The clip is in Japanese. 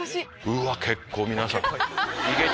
うわ結構皆さん。